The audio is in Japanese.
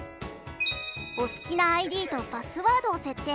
お好きなＩＤとパスワードを設定。